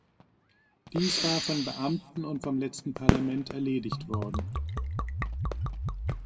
Dies war von Beamten und vom letzten Parlament erledigt worden.